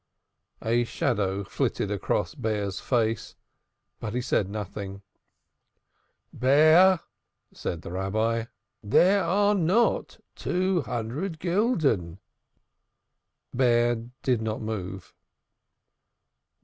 A shadow flitted across Bear's face, but he said nothing. "Bear," said the Rabbi again, "there are not two gulden." Bear did not move.